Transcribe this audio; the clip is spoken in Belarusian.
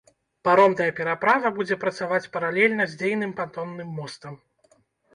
Паромная пераправа будзе працаваць паралельна з дзейным пантонным мостам.